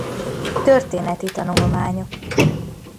Történeti tanulmányok.